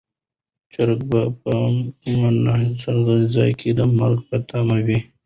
چرګه به په کوم ناڅرګند ځای کې د مرګ په تمه وي.